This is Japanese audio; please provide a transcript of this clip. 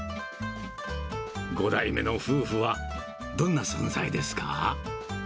５代目の夫婦はどんな存在ですか。